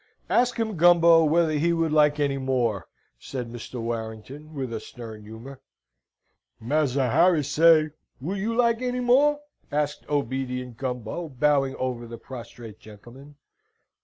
"Ask him, Gumbo, whether he would like any more?" said Mr. Warrington, with a stern humour. "Massa Harry say, wool you like any maw?" asked obedient Gumbo, bowing over the prostrate gentleman.